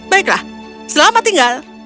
baiklah selamat tinggal